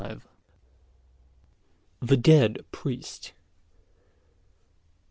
CXXI. THE DEAD PRIEST.